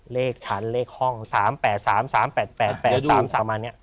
เลขฉันเลขห้อง๓๘๓๓๘๘๓ประมาณนี้